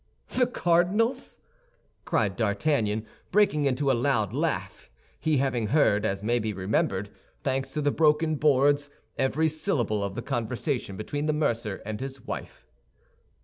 "The cardinal's?" cried D'Artagnan, breaking into a loud laugh, he having heard, as may be remembered, thanks to the broken boards, every syllable of the conversation between the mercer and his wife.